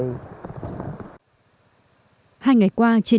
hai ngày qua trên địa phương tỉnh phước thành và phước lộc